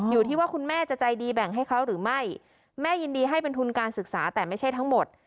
อยู่ที่ว่าคุณแม่จะใจดีแบ่งให้เขาหรือไม่แม่ยินดีให้เป็นทุนการศึกษาแต่ไม่ใช่ทั้งหมด